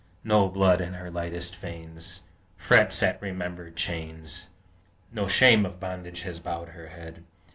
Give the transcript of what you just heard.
No blood in her lightest veins Frets at remembered chains, Nor shame of bondage has bowed her head.